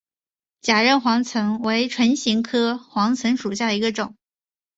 假韧黄芩为唇形科黄芩属下的一个种。